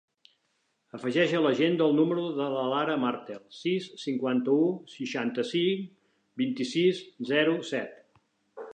Afegeix a l'agenda el número de la Lara Martel: sis, cinquanta-u, seixanta-cinc, vint-i-sis, zero, set.